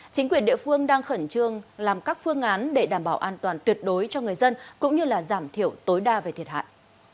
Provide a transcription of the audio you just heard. chính quyền địa phương đang khẩn trương làm các phương án để đảm bảo an toàn tuyệt đối cho người dân cũng như giảm thiểu tối đa về thiệt hại